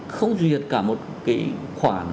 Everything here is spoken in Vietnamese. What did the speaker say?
không duyệt cả một cái